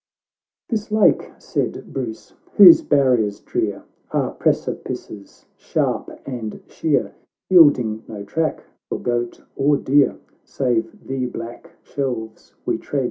XVI "This lake," said Bruce, '"whose barrier. : drear Are precipices sharp and sheer, Yielding no track for goat or deer, Save the black shelves we tread, CAXTO III.